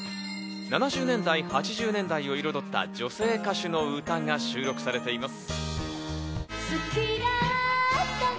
７０年代８０年代を彩った女性歌手の歌が収録されています。